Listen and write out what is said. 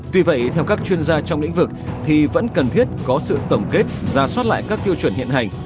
tuy vậy theo các chuyên gia trong lĩnh vực thì vẫn cần thiết có sự tổng kết ra soát lại các tiêu chuẩn hiện hành